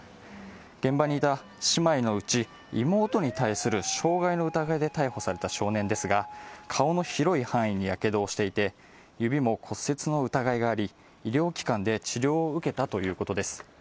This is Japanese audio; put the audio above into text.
現場にいた姉妹のうち妹に対する傷害の疑いで逮捕された少年ですが、顔の広い範囲にやけどをしていて、指も骨折の疑いがあり、医療機関で治療を受けたということです。